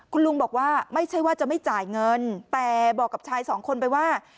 คุณลุงบอกว่าไม่ใช่ว่าจะไม่จ่ายเงินแต่บอกกับชายสองคนไปว่า